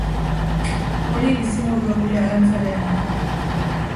Hori bizimodua, gure arrantzaleena!